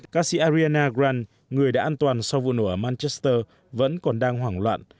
các sĩ ariana grande người đã an toàn sau vụ nổ ở manchester vẫn còn đang hoảng loạn